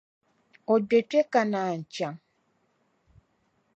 O gbe kpe ka naan chaŋ.